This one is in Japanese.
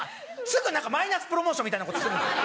すぐマイナスプロモーションみたいなことするんですよ。